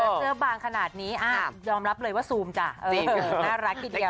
โอ้เสื้อบางขนาดนี้อ่ะรองรับเลยว่าซูมจ้ะเออน่ารักอย่างเดียวนะคะ